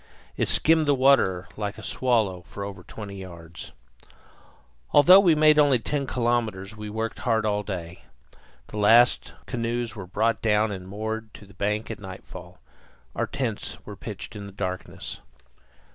It skimmed the water like a swallow for over twenty yards. Although we made only ten kilometres we worked hard all day. The last canoes were brought down and moored to the bank at nightfall. Our tents were pitched in the darkness.